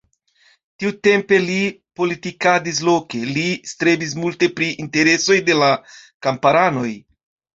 Tiutempe li politikadis loke, li strebis multe pri interesoj de la kamparanoj.